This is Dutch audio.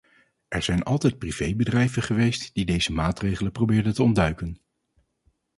Er zijn altijd privé-bedrijven geweest die deze maatregel probeerden te ontduiken.